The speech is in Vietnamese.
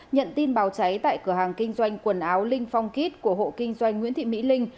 nhận tin báo cháy tại cửa hàng kinh doanh quần áo linh phong kiết của hộ kinh doanh nguyễn thị mỹ linh